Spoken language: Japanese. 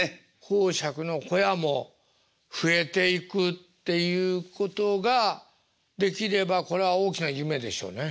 講釈の小屋も増えていくっていうことができればこれは大きな夢でしょうね。